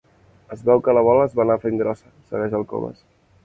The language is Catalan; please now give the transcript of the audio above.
Es veu que la bola es va anar fent grossa —segueix el Comas—.